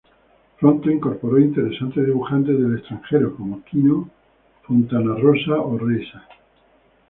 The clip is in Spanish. Pronto incorporó interesantes dibujantes del extranjero como Quino, Fontanarrosa o Reiser.